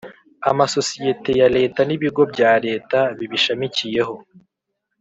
amasosiyeti ya Leta n ibigo bya Leta bibishamikiyeho